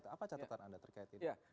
apa catatan anda terkait ini